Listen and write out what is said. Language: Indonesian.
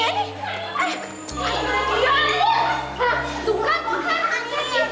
aduh aduh aduh